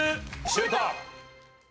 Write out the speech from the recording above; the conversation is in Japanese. シュート！